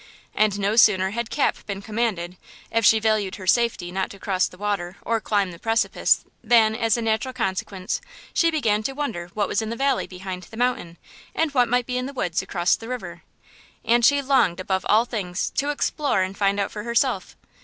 And no sooner had Cap been commanded, if she valued her safety, not to cross the water or climb the precipice than, as a natural consequence, she began to wonder what was in the valley behind the mountain and what might be in the woods across the river. And she longed, above all things, to explore and find out for herself.